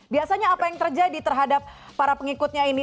biasanya apa yang terjadi terhadap para pengikutnya ini